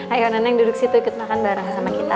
ayo neneng duduk situ ikut makan bareng sama kita